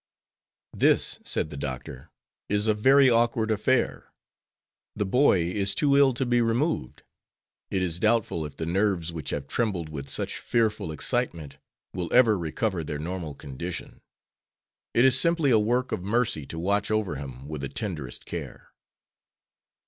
'" "This," said the doctor, "is a very awkward affair. The boy is too ill to be removed. It is doubtful if the nerves which have trembled with such fearful excitement will ever recover their normal condition. It is simply a work of mercy to watch over him with the tenderest care."